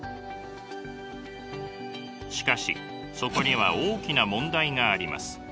しかしそこには大きな問題があります。